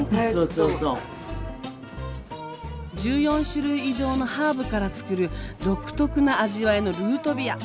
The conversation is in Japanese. １４種類以上のハーブから作る独特な味わいのルートビア。